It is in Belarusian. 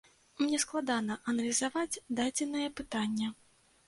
Мне складана аналізаваць дадзенае пытанне.